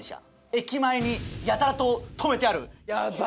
駅前にやたらと停めてある。